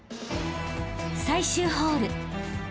［最終ホール］